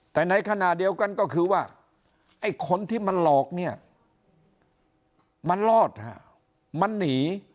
แต่ในขณะเดียวกันก็คือว่าไอ้คนที่มันหลอกเนี่ยมันรอดฮะมันหนี